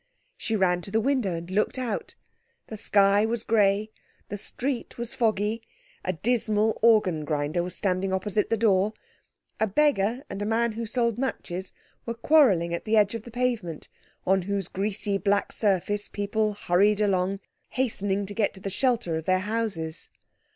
She ran to the window and looked out. The sky was grey, the street was foggy, a dismal organ grinder was standing opposite the door, a beggar and a man who sold matches were quarrelling at the edge of the pavement on whose greasy black surface people hurried along, hastening to get to the shelter of their houses.